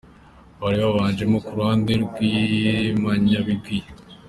bari babanjemo ku ruhande rw'Impamyabigwi I.